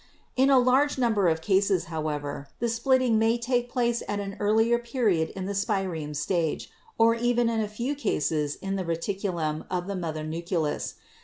"In a large number of cases, however, the splitting may take place at an earlier period in the spireme stage or even in a few cases in the reticulum of the mother nucleus.